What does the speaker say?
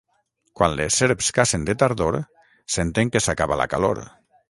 Quan les serps cacen de tardor, senten que s'acaba la calor.